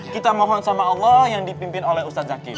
kita mohon sama allah yang dipimpin oleh ustad zakif